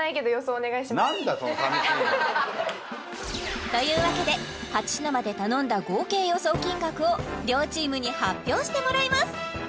お願いしますというわけで８品まで頼んだ合計予想金額を両チームに発表してもらいます